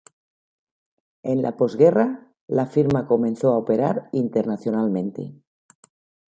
En la pos-guerra, la firma comenzó a operar internacionalmente.